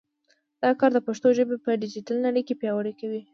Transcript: دا کار د پښتو ژبه په ډیجیټل نړۍ کې پیاوړې کوي.